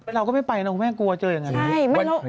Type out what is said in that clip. เราก็ไม่ไปนะคุณแม่กลัวเจออย่างนั้น